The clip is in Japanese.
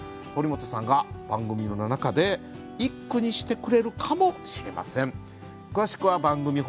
堀本さんが番組の中で一句にしてくれるかもしれません。